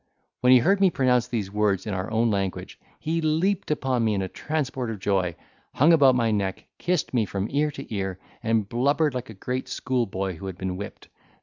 When he heard me pronounce these words in our own language, he leaped upon me in a transport of joy, hung about my neck, kissed me from ear to ear, and blubbered like a great schoolboy who had been whipped.